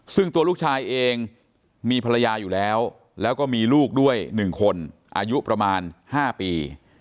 ซึ่งตัวลูกชายเองมีภรรยาอยู่แล้วแล้วก็มีลูกด้วย๑คนอายุประมาณ๕ปี